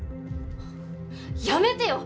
やめてよ！